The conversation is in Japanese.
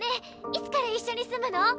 いつから一緒に住むの？